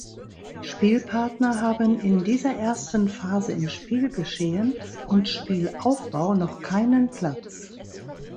Spielpartner haben in dieser ersten Phase im Spielgeschehen und Spielaufbau noch keinen Platz.